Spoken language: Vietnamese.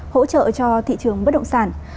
hỗ trợ cho thị trường bất động sản